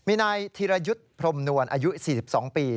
มีนายธีรยุทธ์พรมนวลอายุ๔๒ปี